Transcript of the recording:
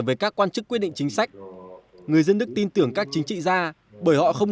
với các quan chức quyết định chính sách người dân đức tin tưởng các chính trị gia bởi họ không